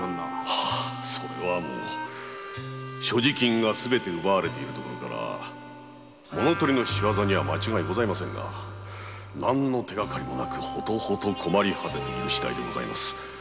所持金がすべて奪われているところから物盗りの仕業には間違いございませんが何の手がかりもなく困りはてているしだいでございます